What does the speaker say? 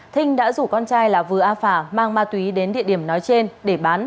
thinh đã rủ con trai là vừa a phà mang ma túy đến địa điểm nói trên để bán